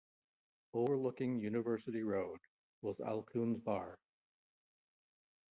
Overlooking University Road was Alcuin's bar.